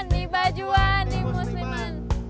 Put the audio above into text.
di bajuan di musliman